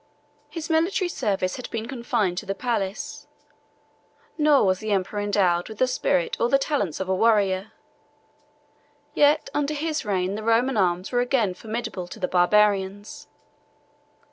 His military service had been confined to the palace: nor was the emperor endowed with the spirit or the talents of a warrior. Yet under his reign the Roman arms were again formidable to the Barbarians.